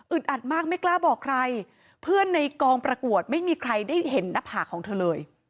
อัดมากไม่กล้าบอกใครเพื่อนในกองประกวดไม่มีใครได้เห็นหน้าผากของเธอเลย